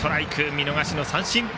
見逃し三振。